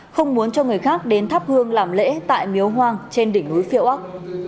không muốn cho người khác đến tháp hương làm lễ tại miếu hoang trên đỉnh núi phiêu ốc